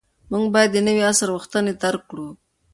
موږ باید د نوي عصر غوښتنې درک کړو.